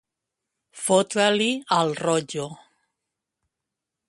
Fotre-li al rotllo.